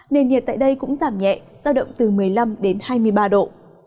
nền nhiệt tại đây cũng giảm nhẹ giao động từ một mươi năm đến hai mươi ba độ